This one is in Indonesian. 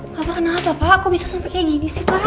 kenapa pak kok bisa sampai gini sih